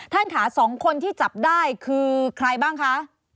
ท่านค่ะ๒คนที่จับได้คือใครบ้างคะ